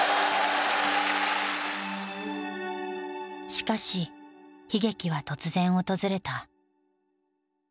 しかし悲劇は突然訪れた。